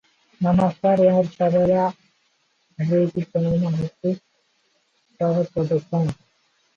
He never recovered from his injuries.